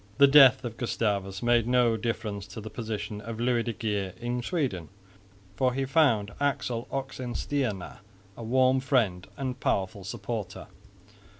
The death of Gustavus made no difference to the position of Louis de Geer in Sweden, for he found Axel Oxenstierna a warm friend and powerful supporter.